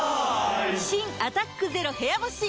新「アタックＺＥＲＯ部屋干し」解禁‼